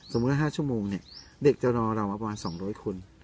สมมุติว่าห้าชั่วโมงเนี้ยเด็กจะรอเราอัปราวันสองร้อยคน